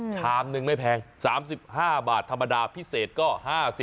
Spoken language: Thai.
ชามนึงไม่แพง๓๕บาทธรรมดาพิเศษก็๕๐